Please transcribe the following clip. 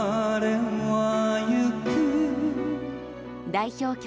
代表曲